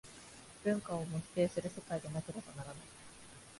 文化をも否定する世界でなければならない。